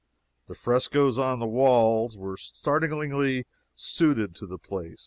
The frescoes on the walls were startlingly suited to the place.